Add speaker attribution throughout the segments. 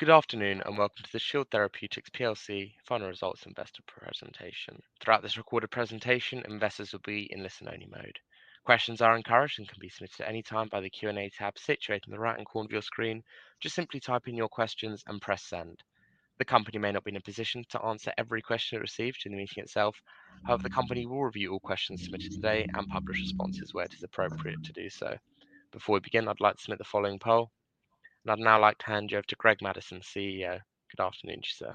Speaker 1: Good afternoon, welcome to the Shield Therapeutics plc final results investor presentation. Throughout this recorded presentation, investors will be in listen-only mode. Questions are encouraged and can be submitted at any time by the Q&A tab situated in the right-hand corner of your screen. Simply type in your questions and press Send. The company may not be in a position to answer every question it receives during the meeting itself. The company will review all questions submitted today and publish responses where it is appropriate to do so. Before we begin, I'd like to submit the following poll. I'd now like to hand you over to Greg Madison, CEO. Good afternoon to you, sir.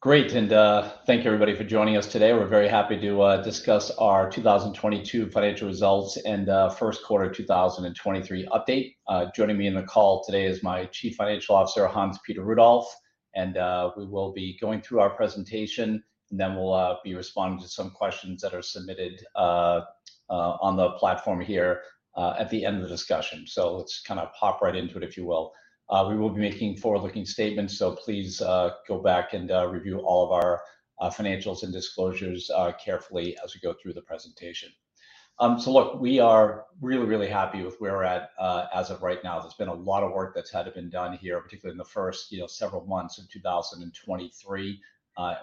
Speaker 2: Great. Thank you everybody for joining us today. We're very happy to discuss our 2022 financial results and first quarter 2023 update. Joining me in the call today is my Chief Financial Officer, Hans-Peter Rudolf. We will be going through our presentation, and then we'll be responding to some questions that are submitted on the platform here at the end of the discussion. Let's kind of pop right into it, if you will. We will be making forward-looking statements, so please go back and review all of our financials and disclosures carefully as we go through the presentation. Look, we are really, really happy with where we're at, as of right now, as there's been a lot of work that's had to have been done here, particularly in the first, you know, several months of 2023.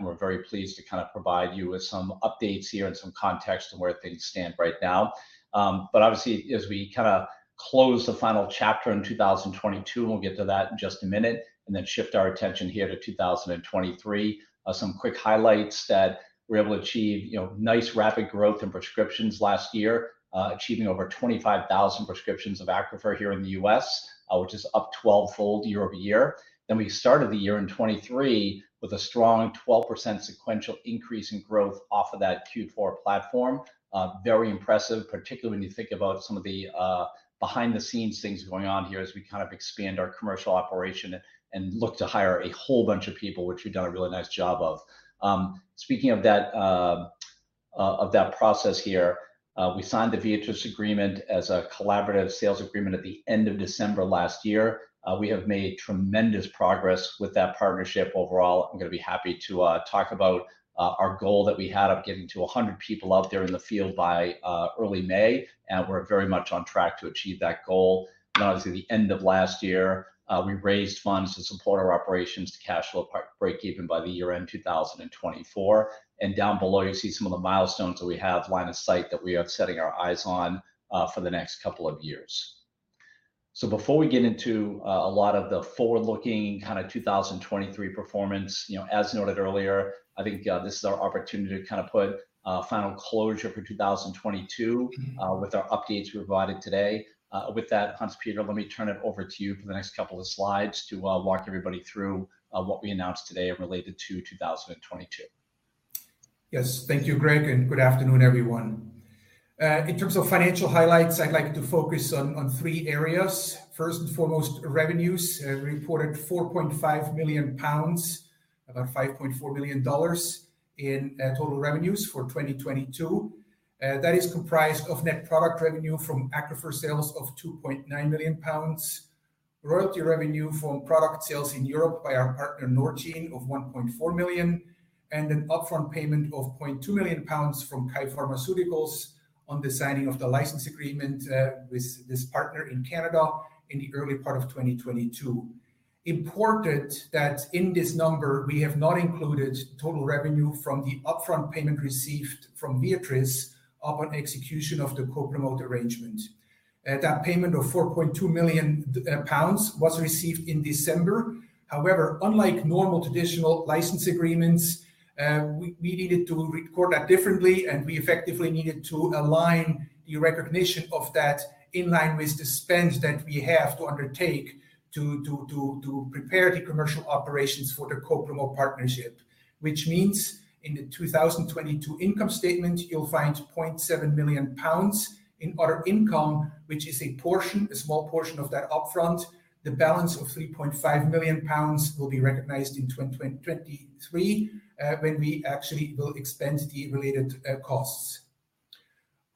Speaker 2: We're very pleased to kind of provide you with some updates here and some context on where things stand right now. Obviously as we kinda close the final chapter in 2022, and we'll get to that in just a minute, and then shift our attention here to 2023. Some quick highlights that we were able to achieve, you know, nice rapid growth in prescriptions last year, achieving over 25,000 prescriptions of ACCRUFeR here in the US, which is up twelvefold year-over-year. We started the year in 2023 with a strong 12% sequential increase in growth off of that Q4 platform. Very impressive, particularly when you think about some of the behind the scenes things going on here as we kind of expand our commercial operation and look to hire a whole bunch of people, which we've done a really nice job of. Speaking of that, of that process here, we signed the Viatris agreement as a collaborative sales agreement at the end of December last year. We have made tremendous progress with that partnership overall. I'm gonna be happy to talk about our goal that we had of getting to 100 people out there in the field by early May, and we're very much on track to achieve that goal. Obviously the end of last year, we raised funds to support our operations to cash flow part break even by the year-end 2024. Down below you see some of the milestones that we have line of sight that we are setting our eyes on for the next couple of years. Before we get into a lot of the forward-looking kind of 2023 performance, you know, as noted earlier, I think, this is our opportunity to kind of put a final closure for 2022 with our updates we provided today. With that, Hans-Peter, let me turn it over to you for the next couple of slides to walk everybody through what we announced today related to 2022.
Speaker 3: Yes. Thank you, Greg, and good afternoon, everyone. In terms of financial highlights, I'd like to focus on three areas. First and foremost, revenues, reported 4.5 million pounds, about 5.4 million dollars in total revenues for 2022. That is comprised of net product revenue from ACCRUFeR sales of 2.9 million pounds, royalty revenue from product sales in Europe by our partner, Norgine, of 1.4 million, and an upfront payment of 0.2 million pounds from KYE Pharmaceuticals on the signing of the license agreement with this partner in Canada in the early part of 2022. Important that in this number we have not included total revenue from the upfront payment received from Viatris upon execution of the co-promote arrangement. That payment of 4.2 million pounds was received in December. Unlike normal traditional license agreements, we needed to record that differently, and we effectively needed to align the recognition of that in line with the spend that we have to undertake to prepare the commercial operations for the co-promote partnership. In the 2022 income statement, you'll find 0.7 million pounds in other income, which is a portion, a small portion of that upfront. The balance of 3.5 million pounds will be recognized in 2023, when we actually will expend the related costs.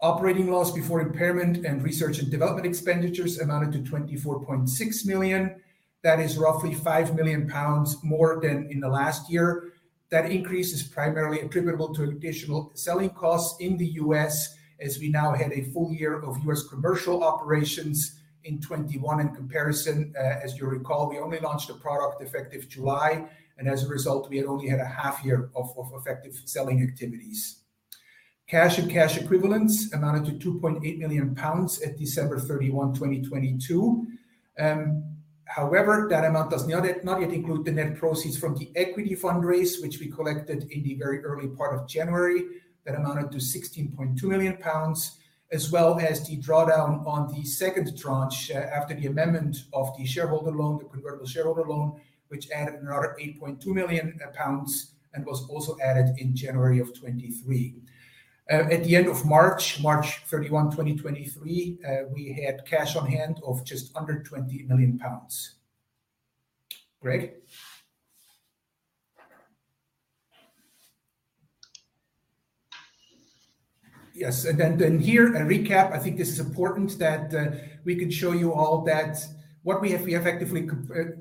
Speaker 3: Operating loss before impairment and research and development expenditures amounted to 24.6 million. That is roughly 5 million pounds more than in the last year. That increase is primarily attributable to additional selling costs in the U.S. as we now had a full year of U.S. commercial operations. In 2021 in comparison, as you recall, we only launched a product effective July, and as a result, we had only had a half year of effective selling activities. Cash and cash equivalents amounted to 2.8 million pounds at December 31, 2022. However, that amount does not yet include the net proceeds from the equity fundraise, which we collected in the very early part of January. That amounted to 16.2 million pounds, as well as the drawdown on the second tranche, after the amendment of the shareholder loan, the convertible shareholder loan, which added another 8.2 million pounds and was also added in January 2023. At the end of March 31, 2023, we had cash on hand of just under 20 million pounds. Greg. Yes. Here, a recap. I think this is important that we could show you all that what we have effectively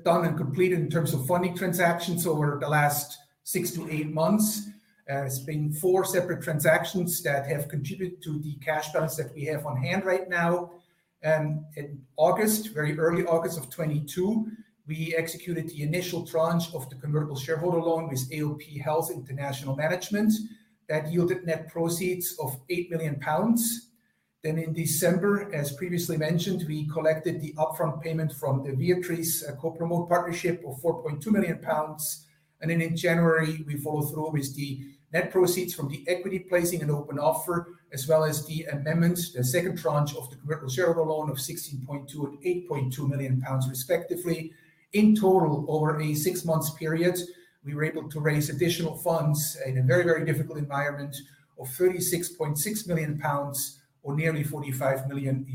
Speaker 3: done and completed in terms of funding transactions over the last six to eight months. It's been four separate transactions that have contributed to the cash balance that we have on hand right now. In August, very early August of 2022, we executed the initial tranche of the convertible shareholder loan with AOP Health International Management. That yielded net proceeds of 8 million pounds. In December, as previously mentioned, we collected the upfront payment from the Viatris co-promote partnership of 4.2 million pounds. In January, we follow through with the net proceeds from the equity placing and open offer, as well as the amendments, the second tranche of the convertible shareholder loan of 16.2 million and 8.2 million pounds respectively. In total, over a six months period, we were able to raise additional funds in a very, very difficult environment of 36.6 million pounds or nearly $45 million.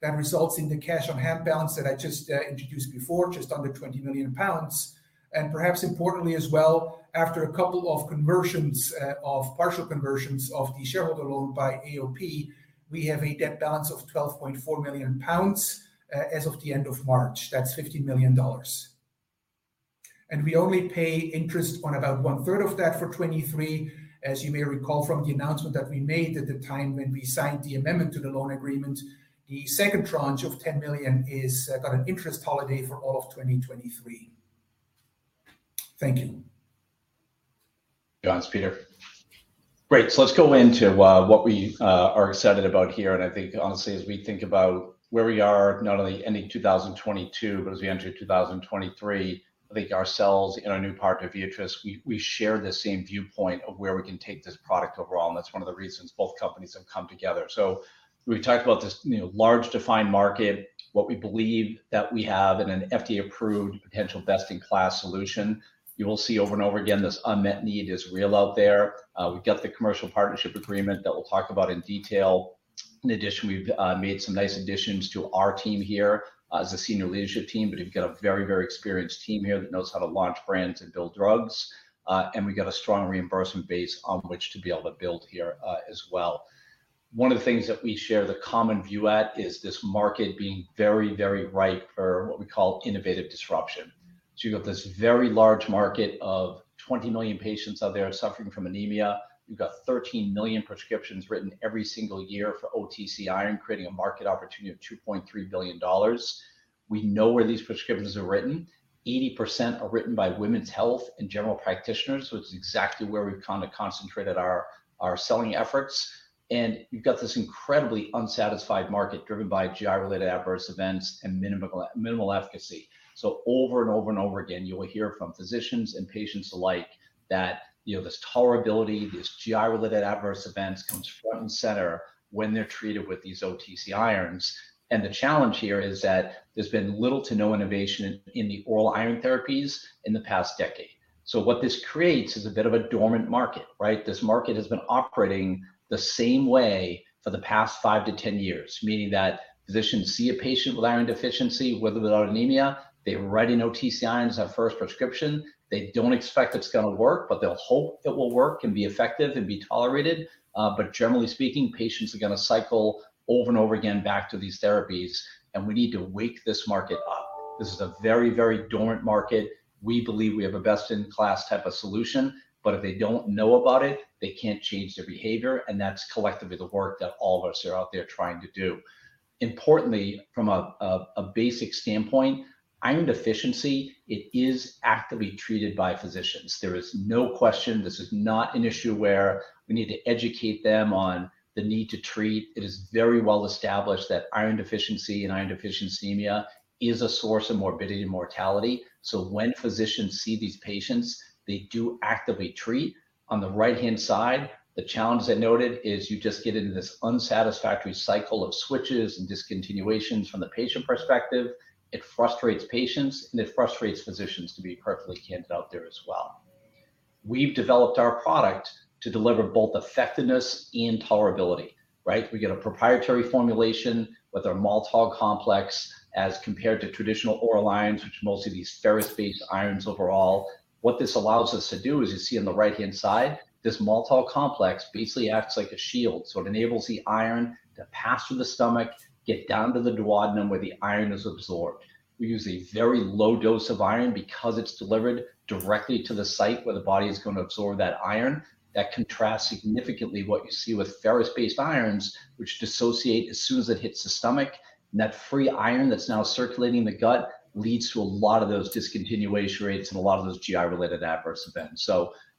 Speaker 3: That results in the cash on hand balance that I just introduced before, just under 20 million pounds. Perhaps importantly as well, after a couple of conversions, of partial conversions of the shareholder loan by AOP, we have a debt balance of 12.4 million pounds as of the end of March. That's $50 million. We only pay interest on about one-third of that for 2023. As you may recall from the announcement that we made at the time when we signed the amendment to the loan agreement, the second tranche of 10 million is got an interest holiday for all of 2023. Thank you.
Speaker 2: Thanks, Peter. Great. Let's go into what we are excited about here. I think honestly, as we think about where we are not only ending 2022, but as we enter 2023, I think ourselves and our new partner, Viatris, we share the same viewpoint of where we can take this product overall. That's one of the reasons both companies have come together. We've talked about this, you know, large defined market, what we believe that we have in an FDA-approved potential best-in-class solution. You will see over and over again this unmet need is real out there. We've got the commercial partnership agreement that we'll talk about in detail. In addition, we've made some nice additions to our team here as a senior leadership team. We've got a very, very experienced team here that knows how to launch brands and build drugs. We got a strong reimbursement base on which to be able to build here as well. One of the things that we share the common view at is this market being very, very ripe for what we call innovative disruption. You have this very large market of 20 million patients out there suffering from anemia. You've got 13 million prescriptions written every single year for OTC iron, creating a market opportunity of $2.3 billion. We know where these prescriptions are written. 80% are written by women's health and general practitioners, which is exactly where we've kind of concentrated our selling efforts. You've got this incredibly unsatisfied market driven by GI-related adverse events and minimal efficacy. Over and over and over again, you will hear from physicians and patients alike that, you know, this tolerability, these GI-related adverse events comes front and center when they're treated with these OTC irons. The challenge here is that there's been little to no innovation in the oral iron therapies in the past decade. What this creates is a bit of a dormant market, right? This market has been operating the same way for the past 5-10 years, meaning that physicians see a patient with iron deficiency, whether without anemia, they write an OTC iron as that first prescription. They don't expect it's gonna work, but they'll hope it will work and be effective and be tolerated. Generally speaking, patients are gonna cycle over and over again back to these therapies. We need to wake this market up. This is a very, very dormant market. We believe we have a best-in-class type of solution, but if they don't know about it, they can't change their behavior, that's collectively the work that all of us are out there trying to do. Importantly, from a basic standpoint, iron deficiency, it is actively treated by physicians. There is no question this is not an issue where we need to educate them on the need to treat. It is very well established that iron deficiency and iron deficiency anemia is a source of morbidity and mortality. When physicians see these patients, they do actively treat. On the right-hand side, the challenge that noted is you just get into this unsatisfactory cycle of switches and discontinuations from the patient perspective. It frustrates patients, and it frustrates physicians to be perfectly candid out there as well. We've developed our product to deliver both effectiveness and tolerability, right? We get a proprietary formulation with our maltol complex as compared to traditional oral irons, which are mostly these ferrous-based irons overall. What this allows us to do, as you see on the right-hand side, this maltol complex basically acts like a shield. It enables the iron to pass through the stomach, get down to the duodenum where the iron is absorbed. We use a very low dose of iron because it's delivered directly to the site where the body is gonna absorb that iron. That contrasts significantly what you see with ferrous-based irons, which dissociate as soon as it hits the stomach. That free iron that's now circulating the gut leads to a lot of those discontinuation rates and a lot of those GI-related adverse events.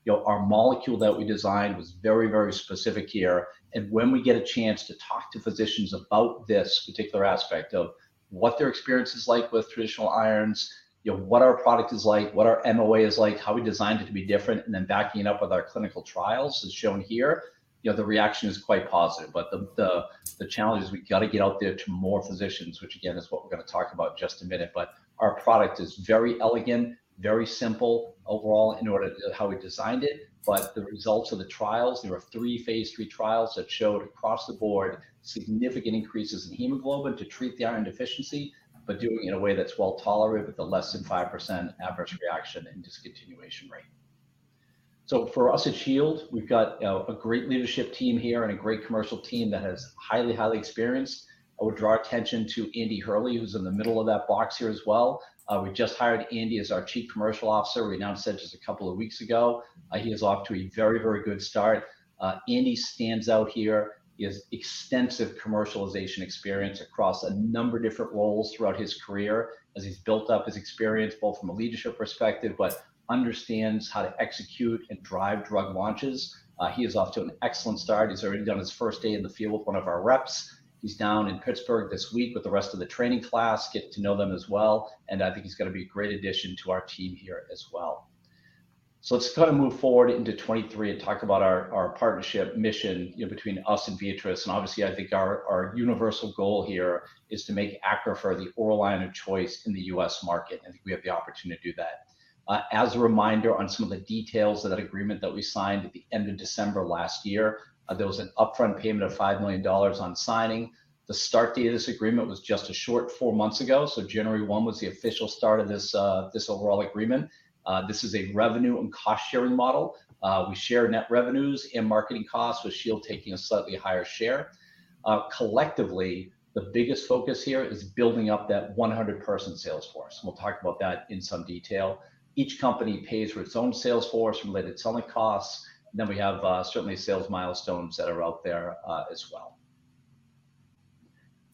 Speaker 2: you know, our molecule that we designed was very, very specific here. When we get a chance to talk to physicians about this particular aspect of what their experience is like with traditional irons, you know, what our product is like, what our MOA is like, how we designed it to be different, and then backing it up with our clinical trials as shown here, you know, the reaction is quite positive. the challenge is we've got to get out there to more physicians, which again is what we're gonna talk about just a minute. Our product is very elegant, very simple overall how we designed it. The results of the trials, there were 3 Phase 3 trials that showed across the board significant increases in hemoglobin to treat the iron deficiency, but doing it in a way that's well-tolerated with a less than 5% average reaction and discontinuation rate. For us at Shield, we've got a great leadership team here and a great commercial team that is highly experienced. I would draw attention to Andy Hurley, who's in the middle of that box here as well. We just hired Andy as our Chief Commercial Officer. We announced it just a couple of weeks ago. He is off to a very good start. Andy stands out here. He has extensive commercialization experience across a number of different roles throughout his career as he's built up his experience, both from a leadership perspective, but understands how to execute and drive drug launches. He is off to an excellent start. He's already done his first day in the field with one of our reps. He's down in Pittsburgh this week with the rest of the training class, getting to know them as well, and I think he's gonna be a great addition to our team here as well. Let's kind of move forward into 2023 and talk about our partnership mission, you know, between us and Viatris. Obviously, I think our universal goal here is to make ACCRUFeR the oral line of choice in the U.S. market, and I think we have the opportunity to do that. As a reminder on some of the details of that agreement that we signed at the end of December last year, there was an upfront payment of $5 million on signing. The start date of this agreement was just a short 4 months ago, January 1 was the official start of this overall agreement. This is a revenue and cost-sharing model. We share net revenues and marketing costs, with Shield taking a slightly higher share. Collectively, the biggest focus here is building up that 100-person sales force, we'll talk about that in some detail. Each company pays for its own sales force, related selling costs, we have certainly sales milestones that are out there as well.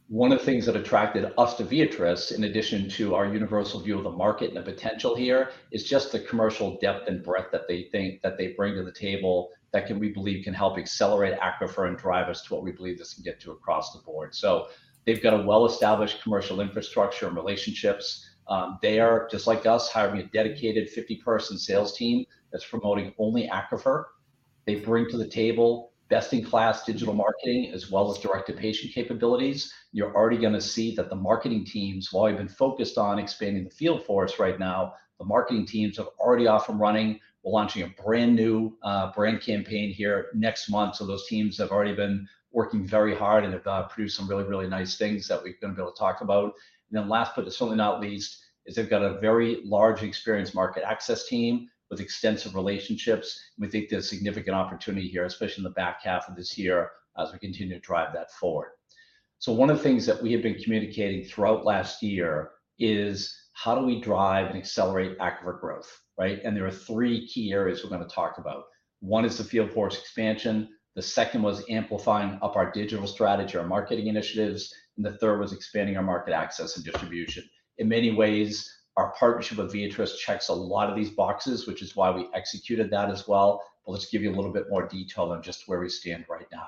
Speaker 2: One of the things that attracted us to Viatris, in addition to our universal view of the market and the potential here, is just the commercial depth and breadth that they think that they bring to the table that can, we believe, can help accelerate ACCRUFeR and drive us to what we believe this can get to across the board. They've got a well-established commercial infrastructure and relationships. They are, just like us, hiring a dedicated 50-person sales team that's promoting only ACCRUFeR. They bring to the table best-in-class digital marketing, as well as direct-to-patient capabilities. You're already gonna see that the marketing teams, while they've been focused on expanding the field force right now, the marketing teams are already off and running. We're launching a brand-new brand campaign here next month, those teams have already been working very hard, and they've produced some really, really nice things that we're gonna be able to talk about. Last but certainly not least, is they've got a very large experienced market access team with extensive relationships, and we think there's significant opportunity here, especially in the back half of this year, as we continue to drive that forward. One of the things that we have been communicating throughout last year is how do we drive and accelerate ACCRUFeR growth, right? There are three key areas we're gonna talk about. One is the field force expansion. The second was amplifying up our digital strategy, our marketing initiatives. The third was expanding our market access and distribution. In many ways, our partnership with Viatris checks a lot of these boxes, which is why we executed that as well, but let's give you a little bit more detail on just where we stand right now.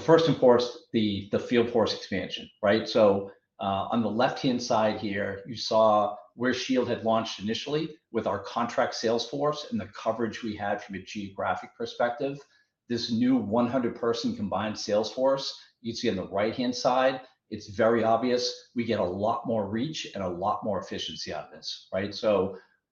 Speaker 2: First and foremost, the field force expansion, right? On the left-hand side here, you saw where Shield had launched initially with our contract sales force and the coverage we had from a geographic perspective. This new 100-person combined sales force you see on the right-hand side, it's very obvious we get a lot more reach and a lot more efficiency out of this, right?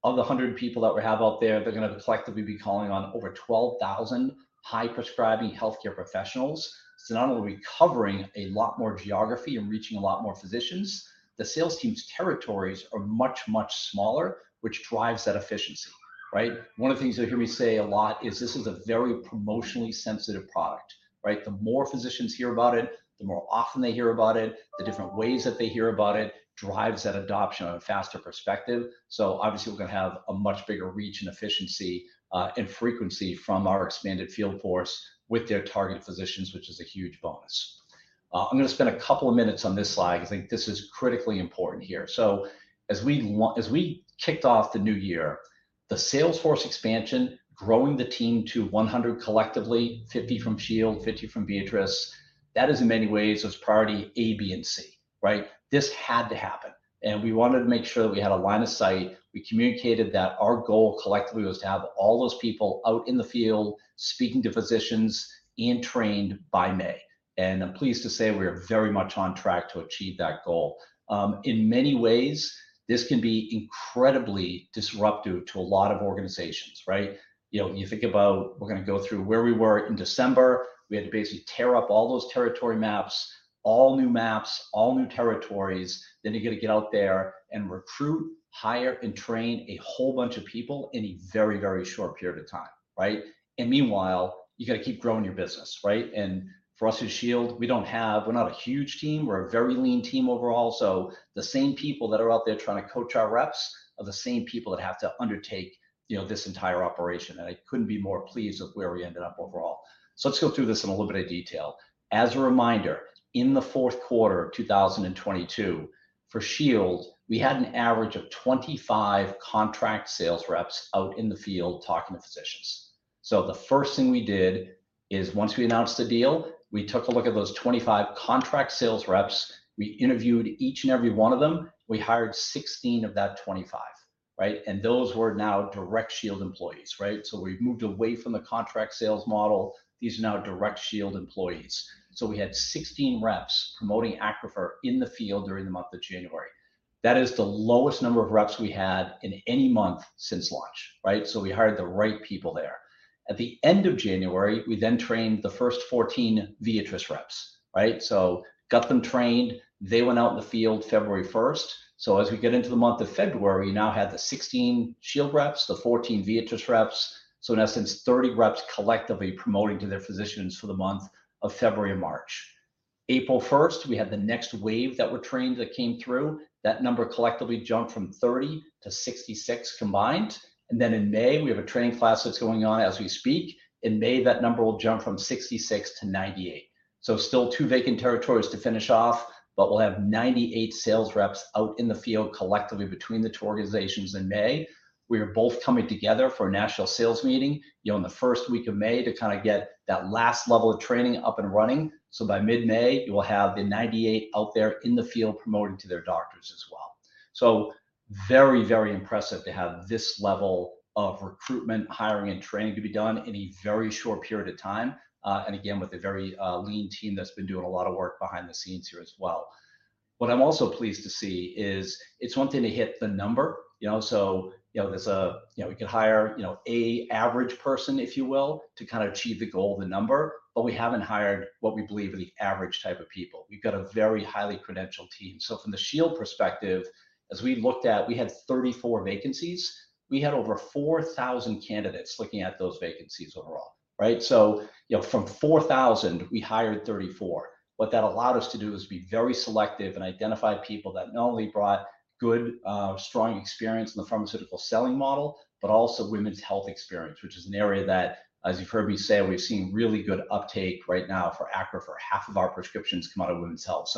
Speaker 2: Of the 100 people that we have out there, they're gonna collectively be calling on over 12,000 high-prescribing healthcare professionals. Not only are we covering a lot more geography and reaching a lot more physicians, the sales team's territories are much, much smaller, which drives that efficiency, right? One of the things you'll hear me say a lot is this is a very promotionally sensitive product, right? The more physicians hear about it, the more often they hear about it, the different ways that they hear about it, drives that adoption on a faster perspective. Obviously, we're gonna have a much bigger reach and efficiency and frequency from our expanded field force with their targeted physicians, which is a huge bonus. I'm gonna spend a couple of minutes on this slide because I think this is critically important here. As we kicked off the new year, the sales force expansion, growing the team to 100 collectively, 50 from Shield, 50 from Viatris, that is in many ways was priority A, B, and C, right. This had to happen. We wanted to make sure that we had a line of sight. We communicated that our goal collectively was to have all those people out in the field speaking to physicians and trained by May. I'm pleased to say we are very much on track to achieve that goal. In many ways, this can be incredibly disruptive to a lot of organizations, right. You know, when you think about we're gonna go through where we were in December, we had to basically tear up all those territory maps. All new maps, all new territories. You got to get out there and recruit, hire, and train a whole bunch of people in a very, very short period of time, right? Meanwhile, you got to keep growing your business, right? For us at Shield, we're not a huge team. We're a very lean team overall. The same people that are out there trying to coach our reps are the same people that have to undertake, you know, this entire operation, and I couldn't be more pleased with where we ended up overall. Let's go through this in a little bit of detail. As a reminder, in the fourth quarter of 2022, for Shield, we had an average of 25 contract sales reps out in the field talking to physicians. The first thing we did is once we announced the deal, we took a look at those 25 contract sales reps. We interviewed each and every one of them. We hired 16 of that 25, right? Those were now direct Shield employees, right? We've moved away from the contract sales model. These are now direct Shield employees. We had 16 reps promoting ACCRUFeR in the field during the month of January. That is the lowest number of reps we had in any month since launch, right? We hired the right people there. At the end of January, we trained the first 14 Viatris reps, right? Got them trained, they went out in the field February 1st. As we get into the month of February, you now have the 16 Shield reps, the 14 Viatris reps. In essence, 30 reps collectively promoting to their physicians for the month of February and March. April 1st, we had the next wave that were trained that came through. That number collectively jumped from 30 to 66 combined. In May, we have a training class that's going on as we speak. In May, that number will jump from 66 to 98. Still 2 vacant territories to finish off, but we'll have 98 sales reps out in the field collectively between the two organizations in May. We are both coming together for a national sales meeting, you know, in the 1st week of May to kind of get that last level of training up and running. By mid-May, you will have the 98 out there in the field promoting to their doctors as well. Very, very impressive to have this level of recruitment, hiring, and training to be done in a very short period of time, and again, with a very lean team that's been doing a lot of work behind the scenes here as well. What I'm also pleased to see is it's one thing to hit the number, you know, you know, we could hire, you know, a average person, if you will, to kind of achieve the goal, the number, but we haven't hired what we believe are the average type of people. We've got a very highly credentialed team. From the Shield perspective, as we looked at, we had 34 vacancies. We had over 4,000 candidates looking at those vacancies overall, right? You know, from 4,000, we hired 34. What that allowed us to do is be very selective and identify people that not only brought good, strong experience in the pharmaceutical selling model, but also women's health experience, which is an area that, as you've heard me say, we've seen really good uptake right now for ACCRUFeR, for half of our prescriptions come out of women's health.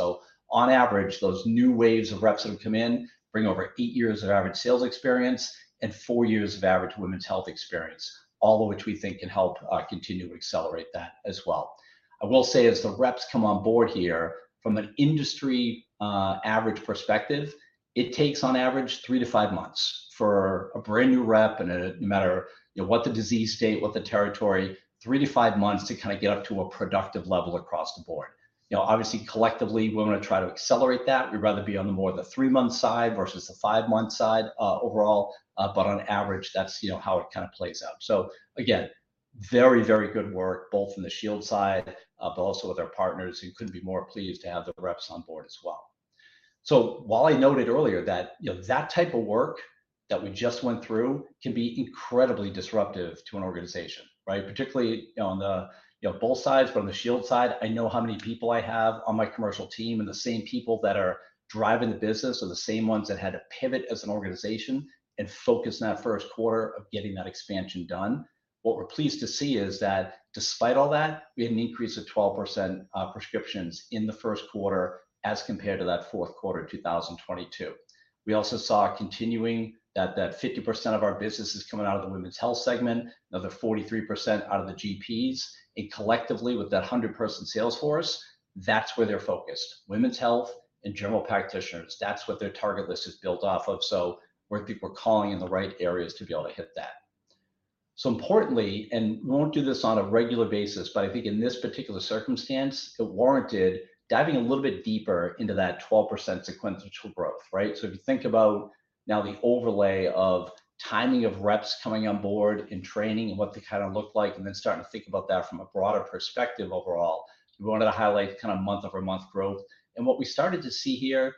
Speaker 2: On average, those new waves of reps that have come in bring over eight years of average sales experience and four years of average women's health experience, all of which we think can help continue to accelerate that as well. I will say as the reps come on board here, from an industry average perspective, it takes on average 3 to 5 months for a brand-new rep and no matter, you know, what the disease state, what the territory, 3 to 5 months to kind of get up to a productive level across the board. You know, obviously, collectively, we're gonna try to accelerate that. We'd rather be on the more the 3-month side versus the 5-month side overall. On average, that's, you know, how it kind of plays out. Again, very, very good work, both from the Shield side, but also with our partners who couldn't be more pleased to have the reps on board as well. While I noted earlier that, you know, that type of work that we just went through can be incredibly disruptive to an organization, right? Particularly on the, you know, both sides, but on the Shield side, I know how many people I have on my commercial team, and the same people that are driving the business are the same ones that had to pivot as an organization and focus in that first quarter of getting that expansion done. What we're pleased to see is that despite all that, we had an increase of 12% prescriptions in the first quarter as compared to that fourth quarter 2022. We also saw continuing that 50% of our business is coming out of the women's health segment, another 43% out of the GPs, and collectively, with that 100-person sales force, that's where they're focused, women's health and general practitioners. That's what their target list is built off of. We're calling in the right areas to be able to hit that. Importantly, and we won't do this on a regular basis, but I think in this particular circumstance, it warranted diving a little bit deeper into that 12% sequential growth, right? If you think about now the overlay of timing of reps coming on board and training and what they kind of look like, and then starting to think about that from a broader perspective overall, we wanted to highlight kind of month-over-month growth. What we started to see here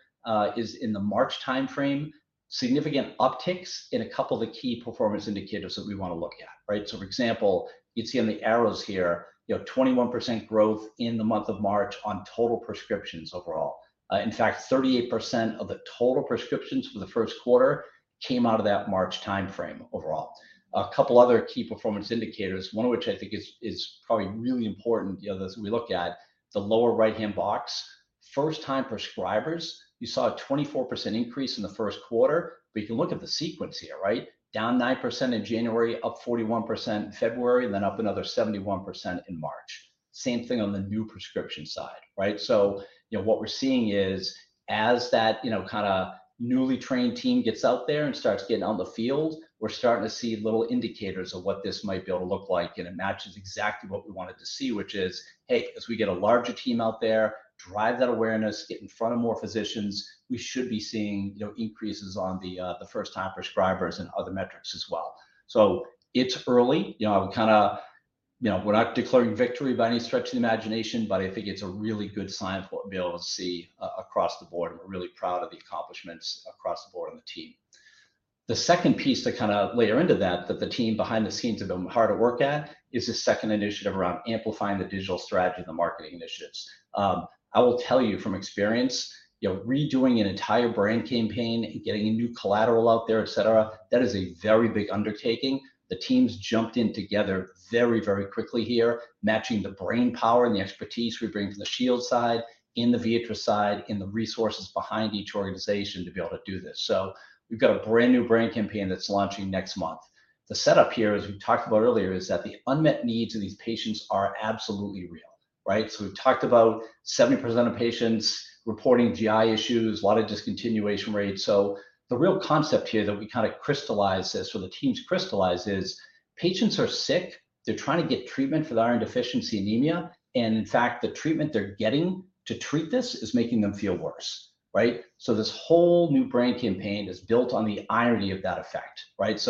Speaker 2: is in the March timeframe, significant upticks in a couple of the key performance indicators that we want to look at, right? For example, you'd see on the arrows here, you know, 21% growth in the month of March on total prescriptions overall. In fact, 38% of the total prescriptions for the first quarter came out of that March timeframe overall. A couple other key performance indicators, one of which I think is probably really important, you know, as we look at the lower right-hand box. First-time prescribers, you saw a 24% increase in the first quarter. You can look at the sequence here, right? Down 9% in January, up 41% in February, and then up another 71% in March. Same thing on the new prescription side, right? You know, what we're seeing is as that, you know, kinda newly trained team gets out there and starts getting out in the field, we're starting to see little indicators of what this might be able to look like. It matches exactly what we wanted to see, which is, hey, as we get a larger team out there, drive that awareness, get in front of more physicians, we should be seeing, you know, increases on the first-time prescribers and other metrics as well. It's early. You know, I would kinda. You know, we're not declaring victory by any stretch of the imagination, but I think it's a really good sign for what we'll be able to see across the board, and we're really proud of the accomplishments across the board on the team. The second piece to kind of layer into that the team behind the scenes have been hard at work at, is this second initiative around amplifying the digital strategy of the marketing initiatives. I will tell you from experience, you know, redoing an entire brand campaign and getting new collateral out there, et cetera, that is a very big undertaking. The teams jumped in together very quickly here, matching the brainpower and the expertise we bring from the Shield side, in the Viatris side, in the resources behind each organization to be able to do this. We've got a brand-new brand campaign that's launching next month. The setup here, as we've talked about earlier, is that the unmet needs of these patients are absolutely real, right? We've talked about 70% of patients reporting GI issues, a lot of discontinuation rates. The real concept here that we kind of crystallize this, or the teams crystallize is patients are sick, they're trying to get treatment for their iron deficiency anemia, and in fact, the treatment they're getting to treat this is making them feel worse, right? This whole new brand campaign is built on the irony of that effect, right?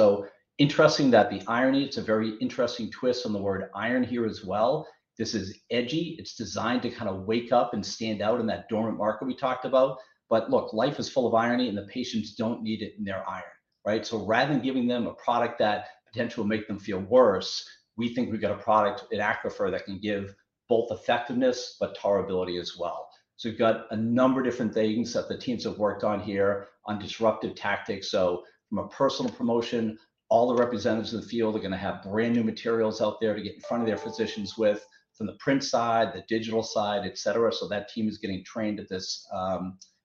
Speaker 2: Interesting that the irony, it's a very interesting twist on the word iron here as well. This is edgy. It's designed to kind of wake up and stand out in that dormant market we talked about. Look, life is full of irony, and the patients don't need it in their iron. Right? Rather than giving them a product that potentially will make them feel worse, we think we've got a product in ACCRUFeR that can give both effectiveness but tolerability as well. We've got a number of different things that the teams have worked on here on disruptive tactics. From a personal promotion, all the representatives in the field are gonna have brand-new materials out there to get in front of their physicians with, from the print side, the digital side, et cetera. That team is getting trained at this,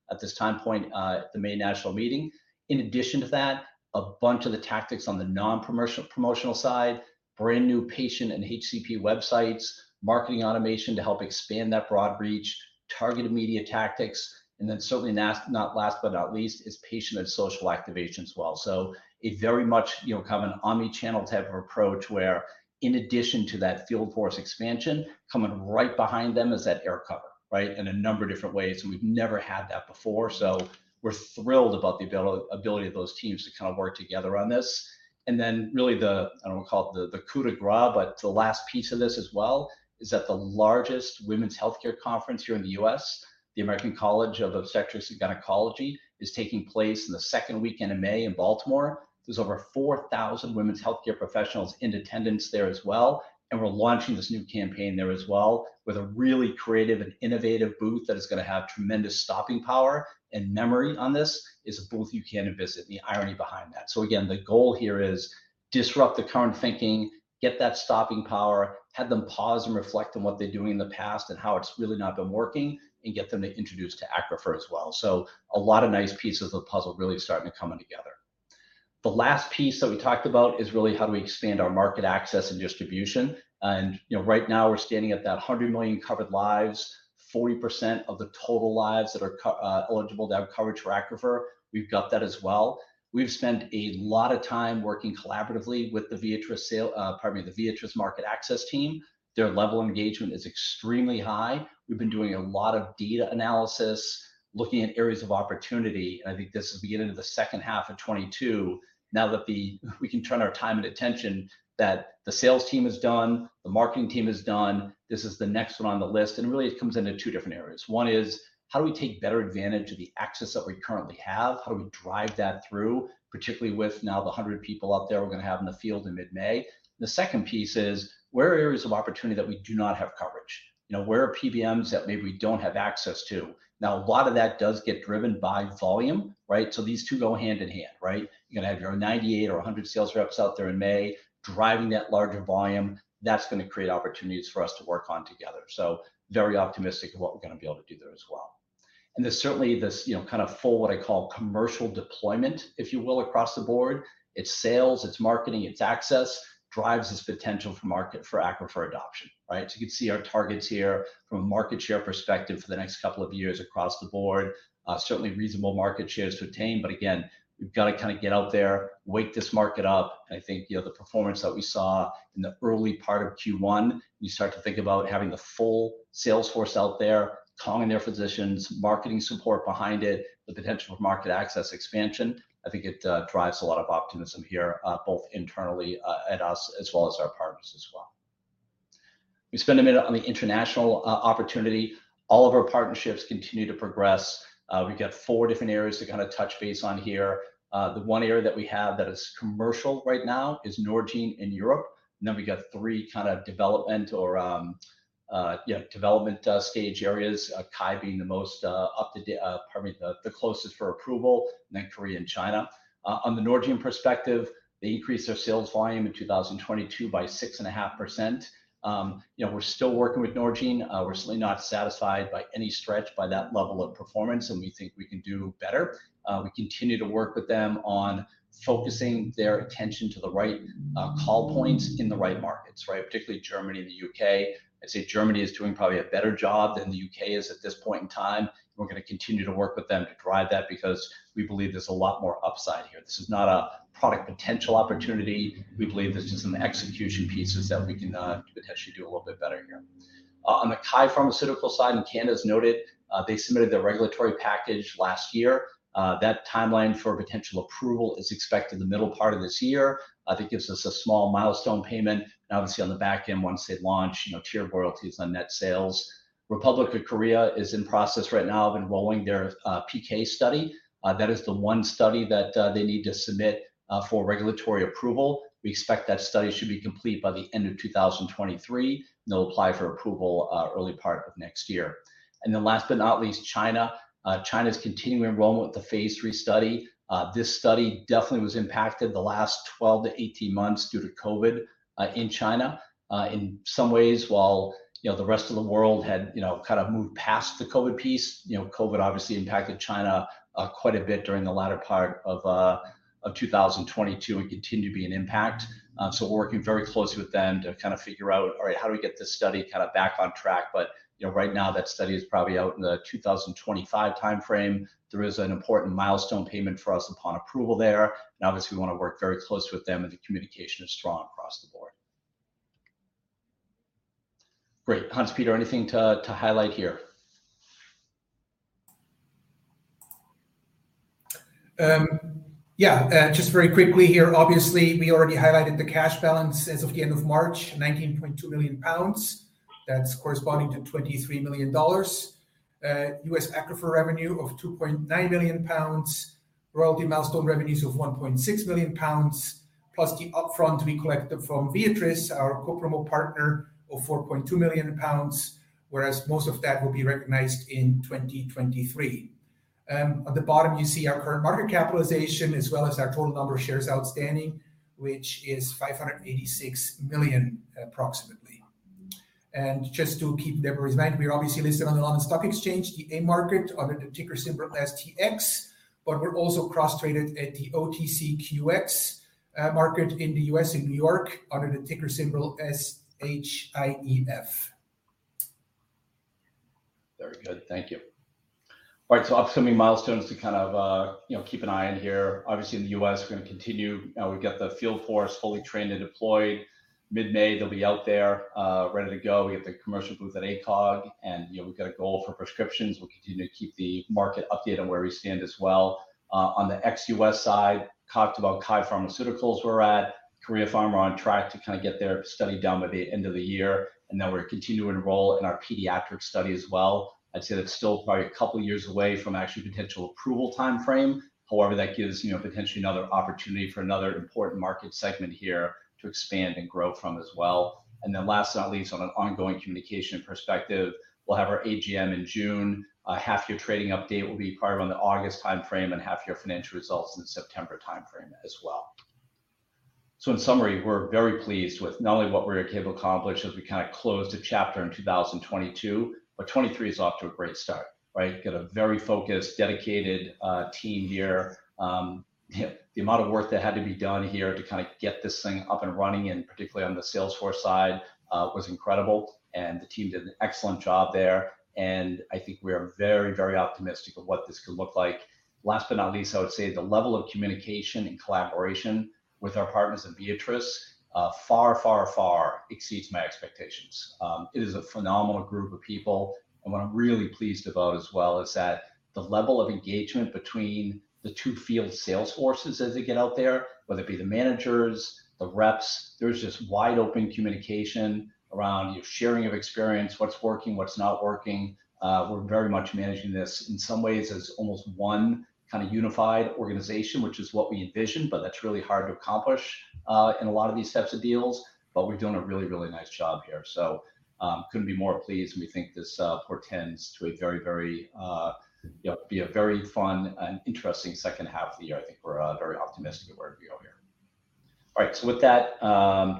Speaker 2: at this time point at the main national meeting. In addition to that, a bunch of the tactics on the non-promotional, promotional side, brand new patient and HCP websites, marketing automation to help expand that broad reach, targeted media tactics, and then certainly not last but not least is patient and social activation as well. A very much, you know, kind of an omni-channel type of approach where in addition to that field force expansion, coming right behind them is that air cover, right, in a number of different ways, and we've never had that before. We're thrilled about the ability of those teams to kind of work together on this. Really the, I don't want to call it the coup de grâce, but the last piece of this as well is that the largest women's healthcare conference here in the U.S., the American College of Obstetricians and Gynecologists, is taking place in the second weekend of May in Baltimore. There's over 4,000 women's healthcare professionals in attendance there as well, and we're launching this new campaign there as well with a really creative and innovative booth that is gonna have tremendous stopping power and memory on this. It's a booth you can't visit and the irony behind that. Again, the goal here is disrupt the current thinking, get that stopping power, have them pause and reflect on what they're doing in the past and how it's really not been working, and get them to introduce to ACCRUFeR as well. A lot of nice pieces of the puzzle really starting to coming together. The last piece that we talked about is really how do we expand our market access and distribution. You know, right now we're standing at that 100 million covered lives. 40% of the total lives that are co-eligible to have coverage for ACCRUFeR, we've got that as well. We've spent a lot of time working collaboratively with the Viatris market access team. Their level of engagement is extremely high. We've been doing a lot of data analysis, looking at areas of opportunity. I think this is the beginning of the second half of 2022 now that we can turn our time and attention that the sales team has done, the marketing team has done. This is the next one on the list. Really it comes into 2 different areas. 1 is, how do we take better advantage of the access that we currently have? How do we drive that through, particularly with now the 100 people out there we're gonna have in the field in mid-May? The second piece is, where are areas of opportunity that we do not have coverage? You know, where are PBMs that maybe we don't have access to? A lot of that does get driven by volume, right? These 2 go hand in hand, right? You're gonna have your 98 or 100 sales reps out there in May driving that larger volume. That's gonna create opportunities for us to work on together. Very optimistic of what we're gonna be able to do there as well. There's certainly this, you know, kind of full, what I call, commercial deployment, if you will, across the board. It's sales, it's marketing, it's access, drives this potential for market for ACCRUFeR adoption, right? You can see our targets here from a market share perspective for the next couple of years across the board. Certainly reasonable market shares to attain, but again, we've got to kinda get out there, wake this market up. I think, you know, the performance that we saw in the early part of Q1, you start to think about having the full sales force out there, calling their physicians, marketing support behind it, the potential of market access expansion. I think it drives a lot of optimism here, both internally, at us as well as our partners as well. We spend a minute on the international opportunity. All of our partnerships continue to progress. We've got four different areas to kinda touch base on here. The one area that we have that is commercial right now is Norgine in Europe, and then we've got three kind of development or, you know, development stage areas, KYE being the most up to date, pardon me, the closest for approval, and then Korea and China. On the Norgine perspective, they increased their sales volume in 2022 by 6.5%. You know, we're still working with Norgine. We're certainly not satisfied by any stretch by that level of performance, and we think we can do better. We continue to work with them on focusing their attention to the right call points in the right markets, right? Particularly Germany and the U.K. I'd say Germany is doing probably a better job than the U.K. is at this point in time. We're gonna continue to work with them to drive that because we believe there's a lot more upside here. This is not a product potential opportunity. We believe there's just some execution pieces that we can potentially do a little bit better here. On the KYE Pharmaceutical side in Canada as noted, they submitted their regulatory package last year. That timeline for potential approval is expected in the middle part of this year. I think gives us a small milestone payment, and obviously on the back end once they launch, you know, tier royalties on net sales. Republic of Korea is in process right now of enrolling their PK study. That is the one study that they need to submit for regulatory approval. We expect that study should be complete by the end of 2023. They'll apply for approval early part of next year. Last but not least, China. China's continuing enrollment with the Phase III study. This study definitely was impacted the last 12-18 months due to COVID in China. In some ways, while, you know, the rest of the world had, you know, kind of moved past the COVID piece, you know, COVID obviously impacted China quite a bit during the latter part of 2022 and continue to be an impact. We're working very closely with them to kind of figure out, all right, how do we get this study kind of back on track? You know, right now that study is probably out in the 2025 timeframe. There is an important milestone payment for us upon approval there. Obviously we wanna work very close with them, and the communication is strong across the board. Great. Hans Peter, anything to highlight here?
Speaker 3: Just very quickly here, obviously we already highlighted the cash balance as of the end of March, 19.2 million pounds. That's corresponding to $23 million. US ACCRUFeR revenue of 2.9 million pounds, royalty milestone revenues of 1.6 million pounds, plus the upfront we collected from Viatris, our co-promote partner, of 4.2 million pounds, whereas most of that will be recognized in 2023. At the bottom you see our current market capitalization as well as our total number of shares outstanding, which is 586 million approximately. Just to keep that in mind, we're obviously listed on the London Stock Exchange, the AIM market under the ticker symbol STX, but we're also cross-traded at the OTCQX market in the U.S. in New York under the ticker symbol SHIEF.
Speaker 2: Very good. Thank you. All right, upcoming milestones to kind of, you know, keep an eye on here. Obviously in the U.S. we're gonna continue. We've got the field force fully trained and deployed. Mid-May they'll be out there, ready to go. We have the commercial booth at ACOG, and you know, we've got a goal for prescriptions. We'll continue to keep the market updated on where we stand as well. On the ex-U.S. side, talked about KYE Pharmaceuticals where we're at. Korea Pharma on track to kind of get their study done by the end of the year, and then we're continuing to enroll in our pediatric study as well. I'd say that's still probably a couple of years away from actually potential approval timeframe. That gives, you know, potentially another opportunity for another important market segment here to expand and grow from as well. Last but not least, on an ongoing communication perspective, we'll have our AGM in June. A half year trading update will be probably around the August timeframe, and half year financial results in the September timeframe as well. In summary, we're very pleased with not only what we were able to accomplish as we kind of closed a chapter in 2022, but 2023 is off to a great start, right? Got a very focused, dedicated team here. The amount of work that had to be done here to kind of get this thing up and running, and particularly on the sales force side, was incredible, and the team did an excellent job there. I think we are very, very optimistic of what this could look like. Last but not least, I would say the level of communication and collaboration with our partners at Viatris, far exceeds my expectations. It is a phenomenal group of people, and what I'm really pleased about as well is that the level of engagement between the two field sales forces as they get out there, whether it be the managers, the reps, there's just wide open communication around sharing of experience, what's working, what's not working. We're very much managing this in some ways as almost one kind of unified organization, which is what we envisioned, that's really hard to accomplish in a lot of these types of deals. We're doing a really, really nice job here. Couldn't be more pleased, and we think this portends to a very, very, you know, be a very fun and interesting second half of the year. I think we're very optimistic of where we go here. All right. With that,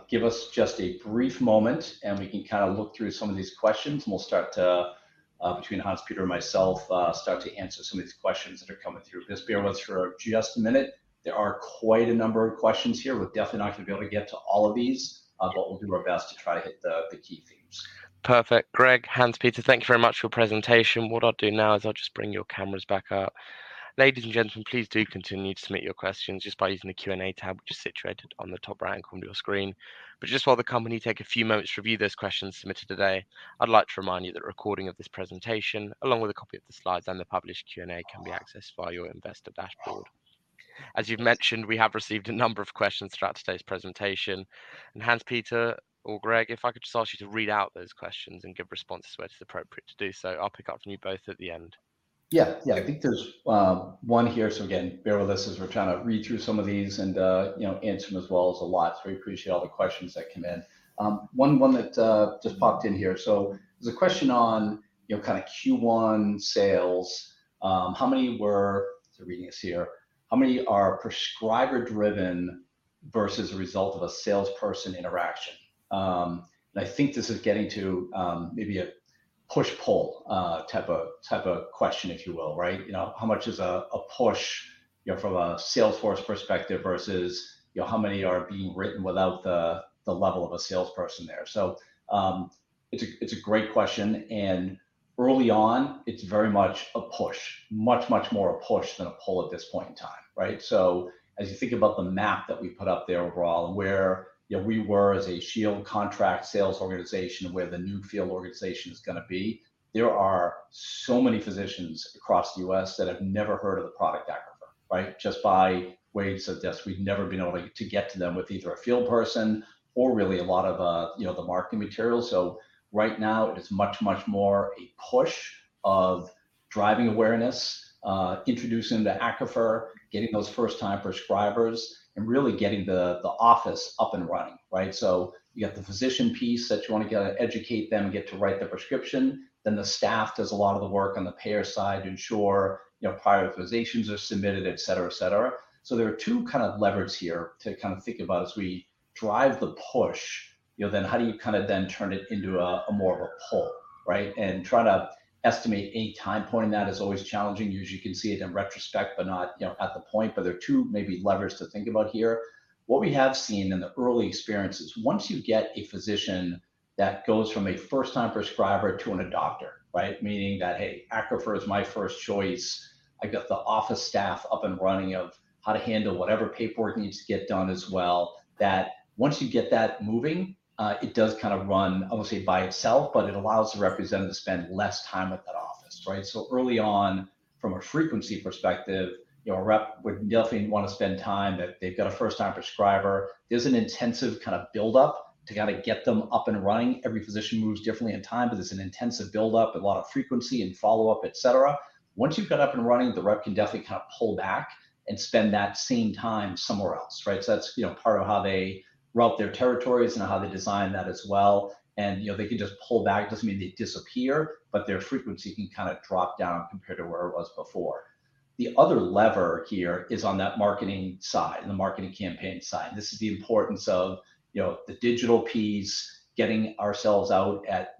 Speaker 2: give us just a brief moment, and we can kind of look through some of these questions and we'll start to, between Hans-Peter and myself, start to answer some of these questions that are coming through. Just bear with us for just a minute. There are quite a number of questions here. We're definitely not gonna be able to get to all of these, but we'll do our best to try to hit the key themes.
Speaker 1: Perfect. Greg, Hans-Peter, thank you very much for your presentation. What I'll do now is I'll just bring your cameras back up. Ladies and gentlemen, please do continue to submit your questions just by using the Q&A tab, which is situated on the top right corner of your screen. Just while the company take a few moments to review those questions submitted today, I'd like to remind you that a recording of this presentation, along with a copy of the slides and the published Q&A, can be accessed via your investor dashboard. As you've mentioned, we have received a number of questions throughout today's presentation. Hans-Peter or Greg, if I could just ask you to read out those questions and give responses where it's appropriate to do so. I'll pick up from you both at the end.
Speaker 2: Yeah. Yeah, I think there's one here. Again, bear with us as we're trying to read through some of these and, you know, answer them as well. There's a lot, so we appreciate all the questions that come in. One that just popped in here. There's a question on, you know, kind of Q1 sales. Just reading this here. How many are prescriber driven versus a result of a salesperson interaction? I think this is getting to, maybe a push-pull type of question if you will, right? You know, how much is a push, you know, from a sales force perspective versus, you know, how many are being written without the level of a salesperson there? It's a, it's a great question, and early on it's very much a push. Much more a push than a pull at this point in time, right? As you think about the map that we put up there overall and where, you know, we were as a Shield contract sales organization and where the new field organization is gonna be, there are so many physicians across the U.S. that have never heard of the product ACCRUFeR, right? Just by way of suggest, we've never been able to get to them with either a field person or really a lot of, you know, the marketing material. Right now it is much more a push of driving awareness, introducing the ACCRUFeR, getting those first-time prescribers, and really getting the office up and running, right? You got the physician piece that you wanna go educate them, get to write the prescription. The staff does a lot of the work on the payer side to ensure, you know, prior authorizations are submitted, et cetera, et cetera. There are two kind of levers here to kind of think about as we drive the push, you know, then how do you kind of then turn it into a more of a pull, right? Trying to estimate any time point in that is always challenging. Usually you can see it in retrospect, but not, you know, at the point, but there are two maybe levers to think about here. What we have seen in the early experiences, once you get a physician that goes from a first time prescriber to an adopter, right? Meaning that, "Hey, ACCRUFeR is my first choice. I got the office staff up and running of how to handle whatever paperwork needs to get done as well. Once you get that moving, it does kind of run obviously by itself, but it allows the representative to spend less time at that office, right? Early on. From a frequency perspective, you know, a rep would definitely want to spend time that they've got a first-time prescriber. There's an intensive kind of build-up to kind of get them up and running. Every physician moves differently in time, but there's an intensive build-up, a lot of frequency and follow-up, et cetera. Once you've got up and running, the rep can definitely kind of pull back and spend that same time somewhere else, right? That's, you know, part of how they route their territories and how they design that as well. You know, they can just pull back. It doesn't mean they disappear, but their frequency can kind of drop down compared to where it was before. The other lever here is on that marketing side, the marketing campaign side. This is the importance of, you know, the digital piece, getting ourselves out at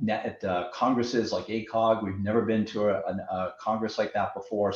Speaker 2: congresses like ACOG. We've never been to a congress like that before.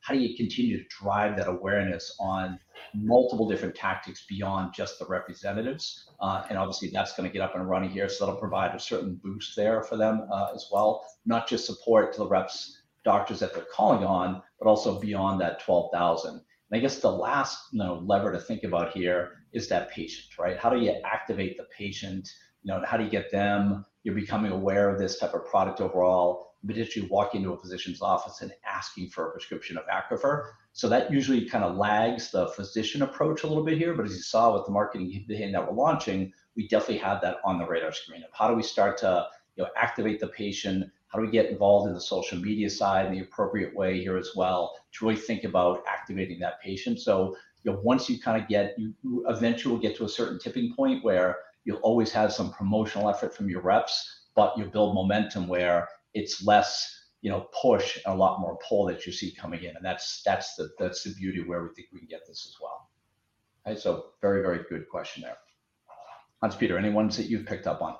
Speaker 2: How do you continue to drive that awareness on multiple different tactics beyond just the representatives? Obviously, that's gonna get up and running here, so that'll provide a certain boost there for them as well, not just support to the reps, doctors that they're calling on, but also beyond that 12,000. I guess the last, you know, lever to think about here is that patient, right? How do you activate the patient? You know, how do you get them, you know, becoming aware of this type of product overall, as you walk into a physician's office and asking for a prescription of ACCRUFeR. That usually kind of lags the physician approach a little bit here, as you saw with the marketing campaign that we're launching, we definitely have that on the radar screen of how do we start to, you know, activate the patient? How do we get involved in the social media side in the appropriate way here as well to really think about activating that patient? You know, once you kind of get... You eventually will get to a certain tipping point where you'll always have some promotional effort from your reps, but you build momentum where it's less, you know, push and a lot more pull that you see coming in and that's the beauty where we think we can get this as well. Very, very good question there. Hans-Peter Rudolf, any ones that you've picked up on?